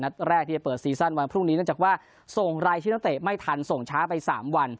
เนื่องจากว่าส่งรายชีวิตน้องเตะไม่ทันส่งช้าไป๓วัน